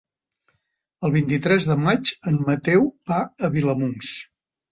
El vint-i-tres de maig en Mateu va a Vilamòs.